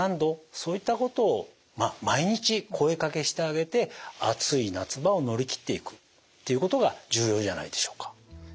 そういったことを毎日声かけしてあげて暑い夏場を乗りきっていくということが重要じゃないでしょうか。